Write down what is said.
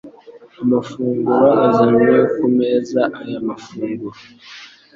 amafunguro azanwa ku meza. Aya mafunguro